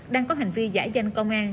đang có hành vi giả danh công an